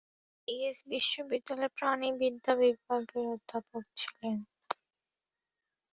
তিনি লিয়েজ বিশ্ববিদ্যালয়ের প্রাণিবিদ্যা বিভাগের অধ্যাপক ছিলেন।